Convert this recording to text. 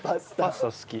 パスタ好き。